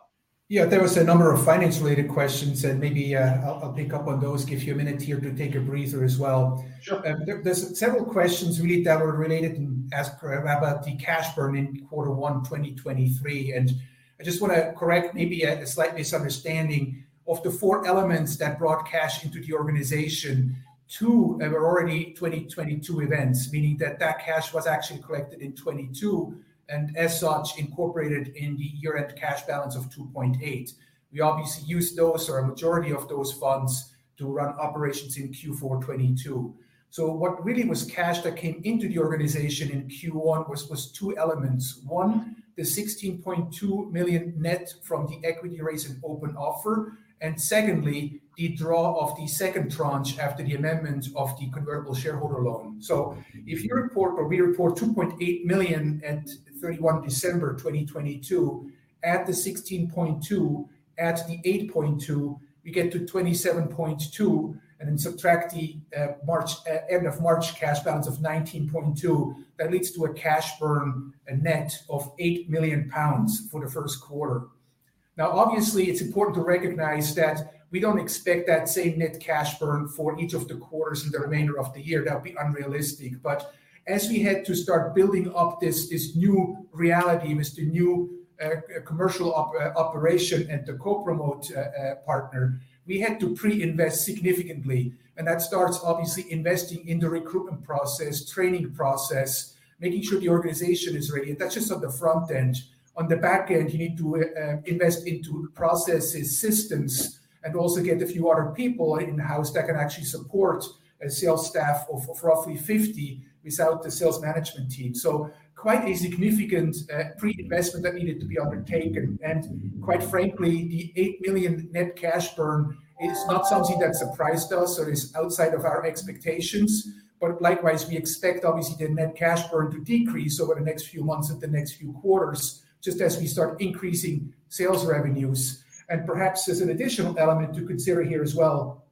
Speaker 3: Yeah. There was a number of finance-related questions that maybe I'll pick up on those, give you a minute here to take a breather as well.
Speaker 2: Sure.
Speaker 3: There's several questions really that were related and as per about the cash burn in Q1 2023. I just wanna correct maybe a slight misunderstanding. Of the four elements that brought cash into the organization, two were already 2022 events, meaning that that cash was actually collected in 2022 and as such incorporated in the year-end cash balance of 2.8 million. We obviously used those or a majority of those funds to run operations in Q4 2022. What really was cash that came into the organization in Q1 was two elements. One, the 16.2 million net from the equity raise and open offer. Secondly, the draw of the second tranche after the amendment of the convertible shareholder loan. If you report or we report 2.8 million at December 31, 2022, add 16.2, add 8.2, we get to 27.2, then subtract the March end of March cash balance of 19.2, that leads to a cash burn, a net of 8 million pounds for the first quarter. Obviously, it's important to recognize that we don't expect that same net cash burn for each of the quarters in the remainder of the year. That would be unrealistic. As we had to start building up this new reality with the new commercial operation and the co-promote partner, we had to pre-invest significantly, that starts obviously investing in the recruitment process, training process, making sure the organization is ready. That's just on the front end. On the back end, you need to invest into processes, systems, and also get a few other people in-house that can actually support a sales staff of roughly 50 without the sales management team. Quite a significant pre-investment that needed to be undertaken. Quite frankly, the 8 million net cash burn is not something that surprised us or is outside of our expectations. Likewise, we expect obviously the net cash burn to decrease over the next few months and the next few quarters, just as we start increasing sales revenues. Perhaps as an additional element to consider here as well,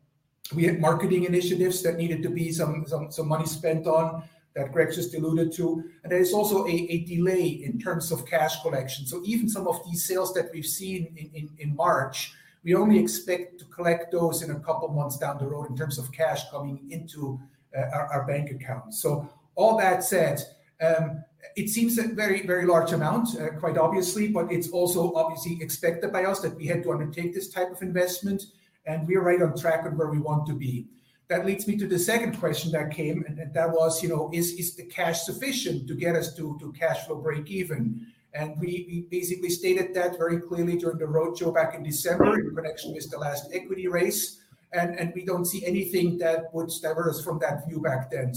Speaker 3: we had marketing initiatives that needed to be some money spent on, that Greg just alluded to, and there is also a delay in terms of cash collection. Even some of these sales that we've seen in March, we only expect to collect those in a couple of months down the road in terms of cash coming into our bank account. All that said, it seems a very large amount, quite obviously, but it's also obviously expected by us that we had to undertake this type of investment, and we are right on track on where we want to be. That leads me to the second question that came, and that was, you know, is the cash sufficient to get us to cash flow breakeven? We basically stated that very clearly during the roadshow back in December in connection with the last equity raise, and we don't see anything that would steer us from that view back then.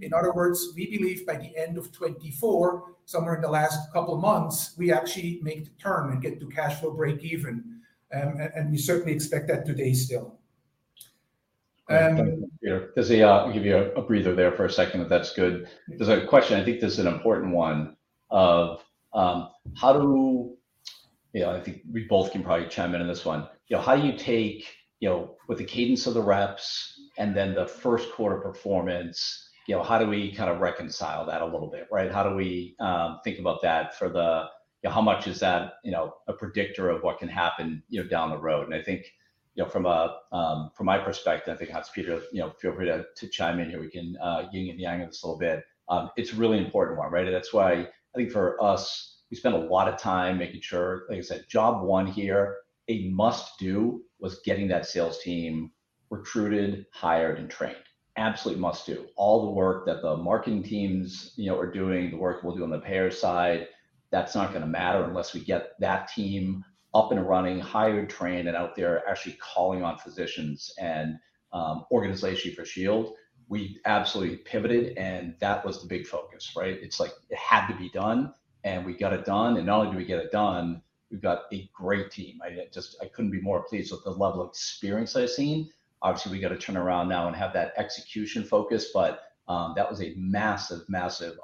Speaker 3: In other words, we believe by the end of 2024, somewhere in the last couple of months, we actually make the turn and get to cash flow breakeven. And we certainly expect that today still.
Speaker 2: Great. Thank you, Hans-Peter Rudolf. I'll give you a breather there for a second, if that's good. There's a question, I think this is an important one, of, You know, I think we both can probably chime in on this one. You know, how do you take, you know, with the cadence of the reps and then the first quarter performance, you know, how do we kind of reconcile that a little bit, right? How do we think about that for the You know, how much is that, you know, a predictor of what can happen, you know, down the road? I think, you know, from a from my perspective, I think Hans-Peter Rudolf, you know, feel free to chime in here. We can yin and yang this a little bit. It's a really important one, right? That's why I think for us, we spent a lot of time making sure, like I said, job one here, a must-do was getting that sales team recruited, hired, and trained. Absolute must-do. All the work that the marketing teams, you know, are doing, the work we'll do on the payer side, that's not gonna matter unless we get that team up and running, hired, trained, and out there actually calling on physicians and organization for Shield. We absolutely pivoted, and that was the big focus, right? It's like it had to be done, and we got it done. Not only did we get it done, we've got a great team. I couldn't be more pleased with the level of experience I've seen. Obviously, we got to turn around now and have that execution focus, but that was a massive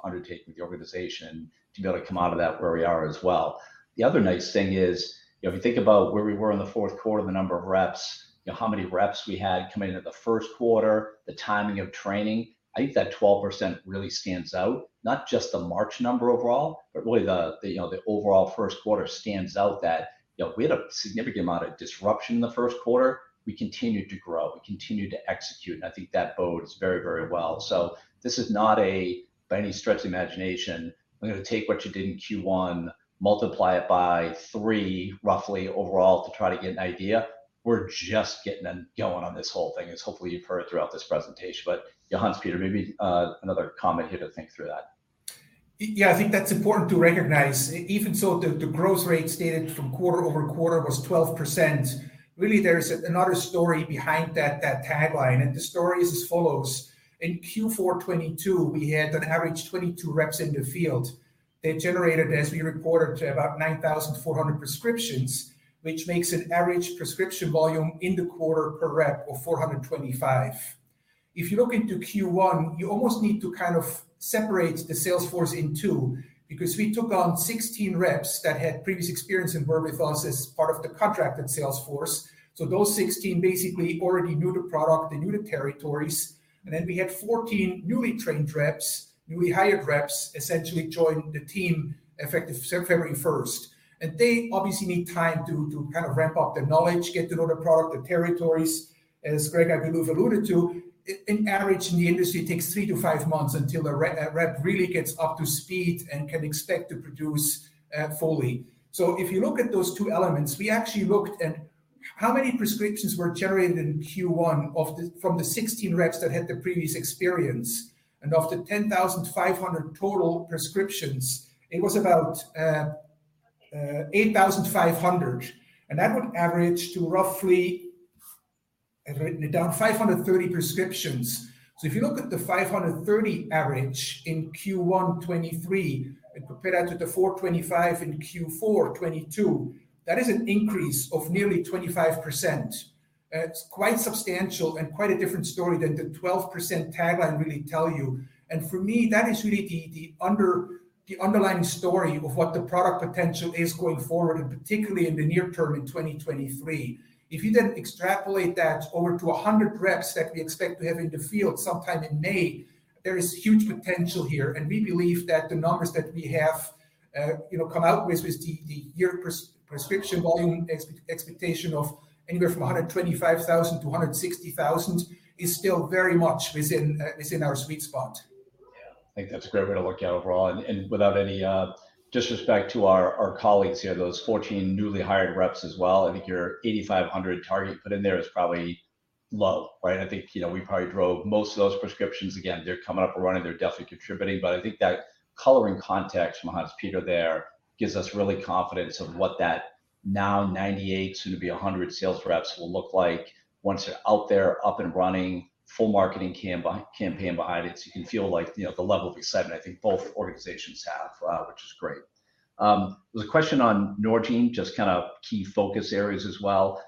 Speaker 2: undertaking with the organization to be able to come out of that where we are as well. The other nice thing is, you know, if you think about where we were in the fourth quarter, the number of reps, you know, how many reps we had coming into the first quarter, the timing of training, I think that 12% really stands out. Not just the March number overall, but really the, you know, the overall first quarter stands out that, you know, we had a significant amount of disruption in the first quarter. We continued to grow, we continued to execute, and I think that bodes very, very well. This is not a by any stretch of the imagination, we're gonna take what you did in Q1, multiply it by 3 roughly overall to try to get an idea. We're just getting them going on this whole thing, as hopefully you've heard throughout this presentation. Hans-Peter, maybe, another comment here to think through that.
Speaker 3: Yeah, I think that's important to recognize. The growth rate stated from quarter-over-quarter was 12%. There's another story behind that tagline, and the story is as follows: in Q4 2022, we had an average 22 reps in the field. They generated, as we reported, to about 9,400 prescriptions, which makes an average prescription volume in the quarter per rep of 425. If you look into Q1, you almost need to kind of separate the sales force in two, because we took on 16 reps that had previous experience and were with us as part of the contracted sales force. Those 16 basically already knew the product, they knew the territories. We had 14 newly trained reps, newly hired reps, essentially joined the team effective February first. They obviously need time to kind of ramp up their knowledge, get to know the product, the territories. As Greg, I believe, alluded to, in average in the industry, it takes 3 to 5 months until a rep really gets up to speed and can expect to produce fully. If you look at those two elements, we actually looked at how many prescriptions were generated in Q1 from the 16 reps that had the previous experience. Of the 10,500 total prescriptions, it was about 8,500, and that would average to roughly, I've written it down, 530 prescriptions. If you look at the 530 average in Q1 2023 and compare that to the 425 in Q4 2022, that is an increase of nearly 25%. It's quite substantial and quite a different story than the 12% tagline really tell you. For me, that is really the underlying story of what the product potential is going forward, and particularly in the near term in 2023. If you then extrapolate that over to 100 reps that we expect to have in the field sometime in May, there is huge potential here, and we believe that the numbers that we have, you know, come out with the year prescription volume expectation of anywhere from 125,000-160,000 is still very much within our sweet spot.
Speaker 2: Yeah. I think that's a great way to look at it overall. Without any disrespect to our colleagues here, those 14 newly hired reps as well, I think your 8,500 target put in there is probably low, right? I think, you know, we probably drove most of those prescriptions. They're coming up and running. They're definitely contributing. I think that coloring context from Hans-Peter there gives us really confidence of what that now 98, soon to be 100 sales reps will look like once they're out there up and running, full marketing campaign behind it. You can feel like, you know, the level of excitement I think both organizations have, which is great. There was a question on Norgine, just kind of key focus areas as well.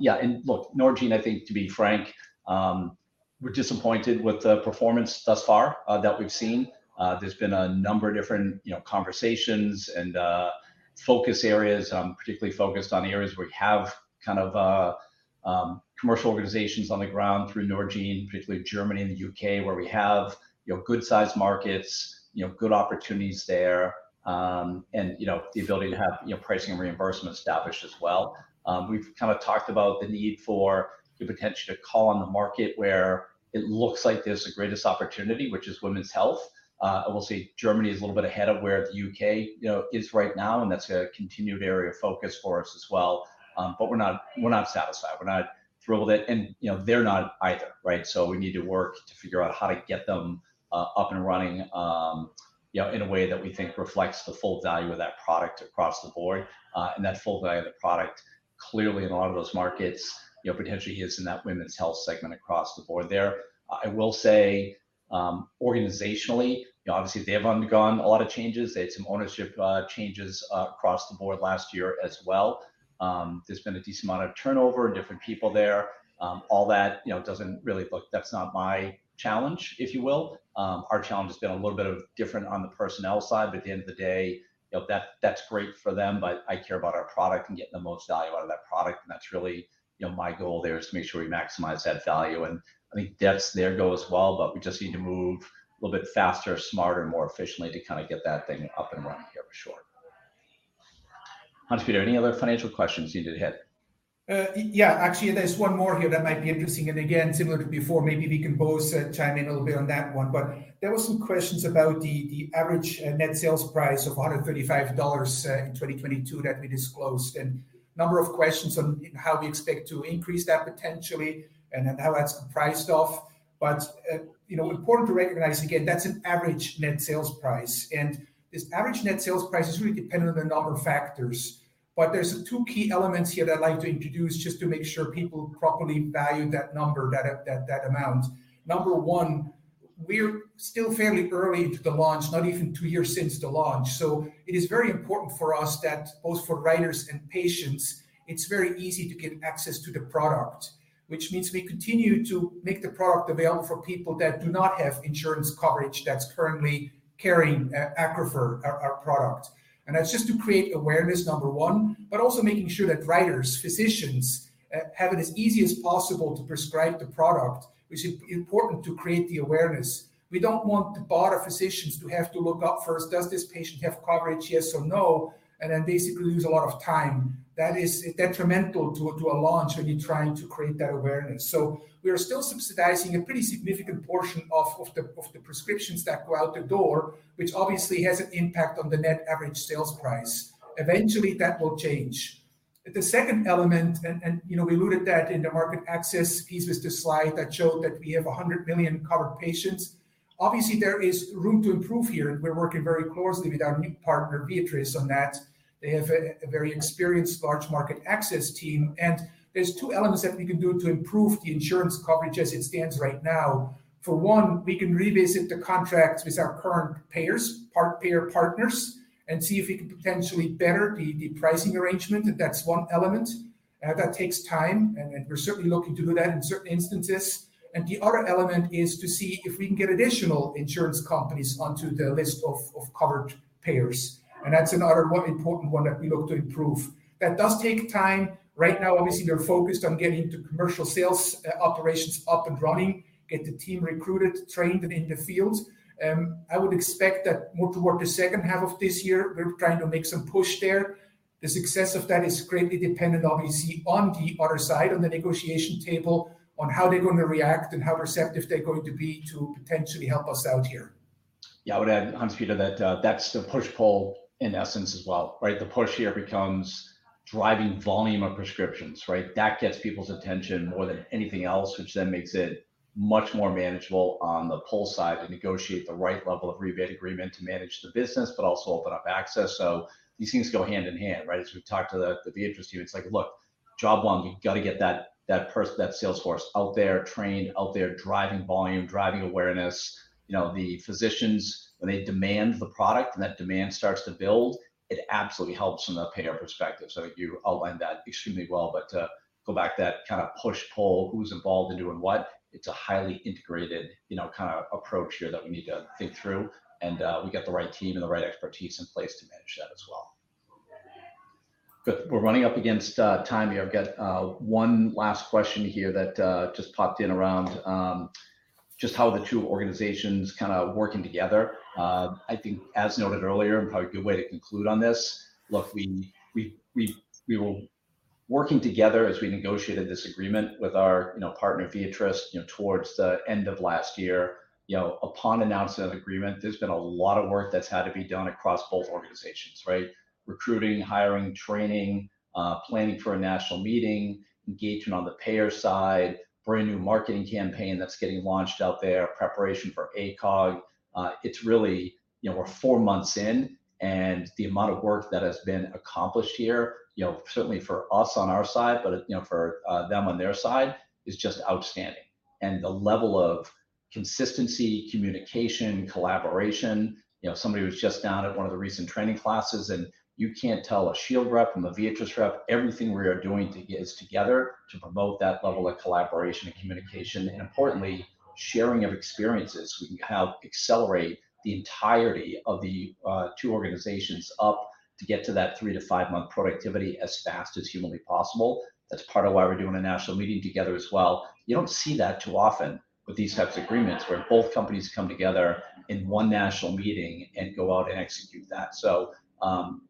Speaker 2: Yeah, look, Norgine, I think, to be frank, we're disappointed with the performance thus far that we've seen. There's been a number of different, you know, conversations and focus areas, particularly focused on the areas where we have kind of commercial organizations on the ground through Norgine, particularly Germany and the U.K., where we have, you know, good-sized markets, you know, good opportunities there, and you know, the ability to have, you know, pricing and reimbursement established as well. We've kind of talked about the need for the potential to call on the market where it looks like there's the greatest opportunity, which is women's health. I will say Germany is a little bit ahead of where the U.K., you know, is right now, and that's a continued area of focus for us as well. We're not satisfied. We're not thrilled with it and, you know, they're not either, right? We need to work to figure out how to get them up and running, you know, in a way that we think reflects the full value of that product across the board. That full value of the product clearly in a lot of those markets, you know, potentially is in that women's health segment across the board there. I will say, organizationally, you know, obviously they have undergone a lot of changes. They had some ownership changes across the board last year as well. There's been a decent amount of turnover and different people there. All that, you know, that's not my challenge, if you will. Our challenge has been a little bit of different on the personnel side, but at the end of the day, you know, that's great for them, but I care about our product and getting the most value out of that product, and that's really, you know, my goal there is to make sure we maximize that value. I think that's their goal as well, but we just need to move a little bit faster, smarter, more efficiently to kind of get that thing up and running here for sure. Hans- Peter, any other financial questions you need to hit?
Speaker 3: Yeah, actually there's one more here that might be interesting. Again, similar to before, maybe we can both chime in a little bit on that one. There were some questions about the average net sales price of $135 in 2022 that we disclosed. Number of questions on how we expect to increase that potentially and how that's priced off. You know, important to recognize, again, that's an average net sales price and this average net sales price is really dependent on a number of factors. There's two key elements here that I'd like to introduce just to make sure people properly value that number, that amount. Number one, we're still fairly early into the launch, not even two years since the launch. It is very important for us that both for writers and patients, it's very easy to get access to the product. Which means we continue to make the product available for people that do not have insurance coverage that's currently carrying ACCRUFeR, our product. That's just to create awareness, number one, but also making sure that writers, physicians, have it as easy as possible to prescribe the product, which is important to create the awareness. We don't want to bother physicians to have to look up first, does this patient have coverage, yes or no, and then basically lose a lot of time. It is detrimental to a launch when you're trying to create that awareness. We are still subsidizing a pretty significant portion of the prescriptions that go out the door, which obviously has an impact on the net average sales price. Eventually, that will change. The second element, you know, we alluded that in the market access piece, was the slide that showed that we have 100 million covered patients. Obviously, there is room to improve here, and we're working very closely with our new partner, Viatris, on that. They have a very experienced large market access team, and there's two elements that we can do to improve the insurance coverage as it stands right now. For one, we can revisit the contracts with our current payers, payer partners, and see if we can potentially better the pricing arrangement, and that's one element. That takes time, and we're certainly looking to do that in certain instances. The other element is to see if we can get additional insurance companies onto the list of covered payers. That's another one important one that we look to improve. That does take time. Right now, obviously, we are focused on getting the commercial sales operations up and running, get the team recruited, trained and in the field. I would expect that more toward the second half of this year, we're trying to make some push there. The success of that is greatly dependent, obviously, on the other side of the negotiation table, on how they're gonna react and how receptive they're going to be to potentially help us out here.
Speaker 2: Yeah. I would add, Hanspeter, that's the push-pull in essence as well, right? The push here becomes driving volume of prescriptions, right? That gets people's attention more than anything else, which then makes it much more manageable on the pull side to negotiate the right level of rebate agreement to manage the business, but also open up access. These things go hand in hand, right? As we've talked to the Viatris team, it's like, "Look, job one, we've gotta get that person, that sales force out there trained, out there driving volume, driving awareness." You know, the physicians, when they demand the product and that demand starts to build, it absolutely helps from a payer perspective. I think you outlined that extremely well. To go back that kind of push-pull, who's involved in doing what, it's a highly integrated, you know, kinda approach here that we need to think through, and we got the right team and the right expertise in place to manage that as well. Good. We're running up against time here. I've got one last question here that just popped in around just how the two organizations kinda working together. I think as noted earlier, and probably a good way to conclude on this, look, we were working together as we negotiated this agreement with our, you know, partner, Viatris, you know, towards the end of last year. You know, upon announcement of agreement, there's been a lot of work that's had to be done across both organizations, right? Recruiting, hiring, training, planning for a national meeting, engagement on the payer side, brand new marketing campaign that's getting launched out there, preparation for ACOG. It's really, you know, we're 4 months in, and the amount of work that has been accomplished here, you know, certainly for us on our side, but, you know, for them on their side, is just outstanding. The level of consistency, communication, collaboration. You know, somebody was just down at one of the recent training classes, and you can't tell a Shield rep from a Viatris rep. Everything we are doing is together to promote that level of collaboration and communication, and importantly, sharing of experiences. We have accelerated the entirety of the 2 organizations up to get to that 3 to 5-month productivity as fast as humanly possible. That's part of why we're doing a national meeting together as well. You don't see that too often with these types of agreements where both companies come together in one national meeting and go out and execute that.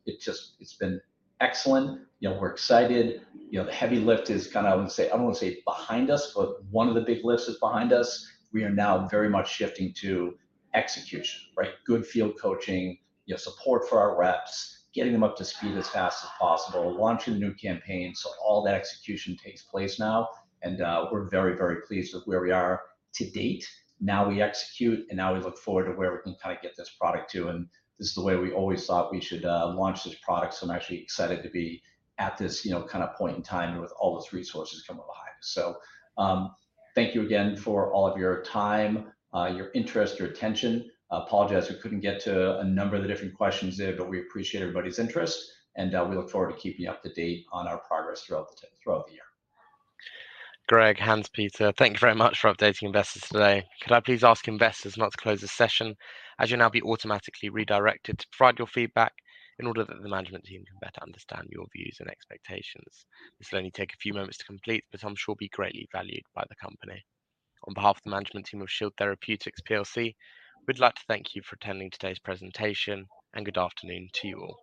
Speaker 2: It just, it's been excellent. You know, we're excited. You know, the heavy lift is kinda, I wouldn't say, I don't wanna say behind us, but one of the big lifts is behind us. We are now very much shifting to execution, right? Good field coaching. You know, support for our reps, getting them up to speed as fast as possible, launching the new campaign. All that execution takes place now, and, we're very, very pleased with where we are to date. Now we execute, and now we look forward to where we can kinda get this product to, and this is the way we always thought we should launch this product. I'm actually excited to be at this, you know, kind of point in time with all those resources coming behind us. Thank you again for all of your time, your interest, your attention. I apologize we couldn't get to a number of the different questions there, but we appreciate everybody's interest, and we look forward to keeping you up to date on our progress throughout the year.
Speaker 1: Greg, Hanspeter, thank you very much for updating investors today. Could I please ask investors now to close this session, as you'll now be automatically redirected to provide your feedback in order that the management team can better understand your views and expectations. This will only take a few moments to complete, but I'm sure will be greatly valued by the company. On behalf of the management team of Shield Therapeutics plc, we'd like to thank you for attending today's presentation, and good afternoon to you all.